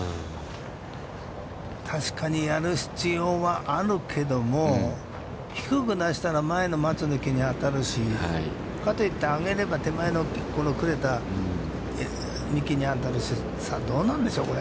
確かにやる必要はあるけども、低く出したら、前の松の木に当たるし、かといって上げれば、手前の幹に当たるし、どうなんでしょうか、これ。